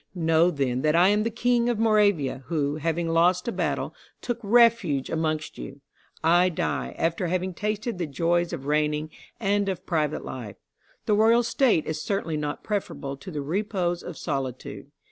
Know then that I am the King of Moravia, who, having lost a battle, took refuge amongst you. I die, after having tasted the joys of reigning and of private life. The royal state is certainly not preferable to the repose of solitude.